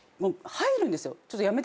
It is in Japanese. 入るんですよ。